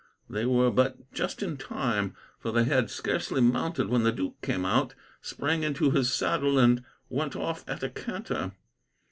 They were but just in time, for they had scarcely mounted when the duke came out, sprang into his saddle, and went off at a canter.